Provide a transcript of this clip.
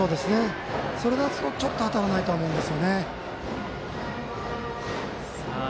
それを打つとちょっと当たらないと思います。